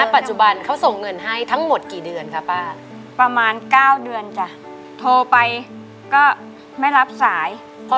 ประมาณ๙เดือนจ่ะโทรไปก็ไม่รับสาย